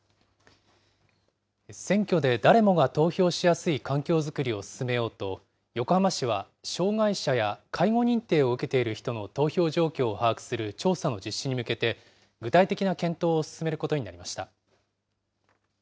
選挙で誰もが投票しやすい環境作りを進めようと、横浜市は、障害者や介護認定を受けている人の投票状況を把握する調査の実施に向けて、具体的な検討を進めることになりました。